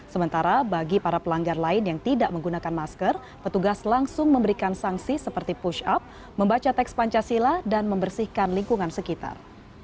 sementara bagi para pelanggar lain yang tidak menggunakan masker petugas langsung memberikan sanksi seperti push up membaca teks pancasila dan membersihkan lingkungan sekitar